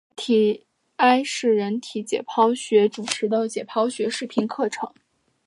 艾氏人体解剖学主持的解剖学视频课程。